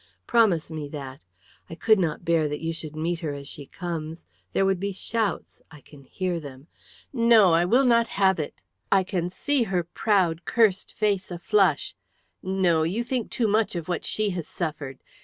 Promise me that! I could not bear that you should meet her as she comes. There would be shouts; I can hear them. No, I will not have it! I can see her proud cursed face a flush. No! You think too much of what she has suffered.